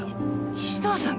石堂さんが？